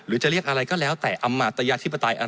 หรือจะเรียกอะไรก็แล้วแต่หรือจะเรียกอะไรก็แล้วแต่